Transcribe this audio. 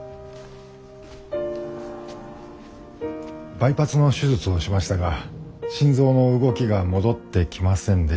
バイパスの手術をしましたが心臓の動きが戻ってきませんでした。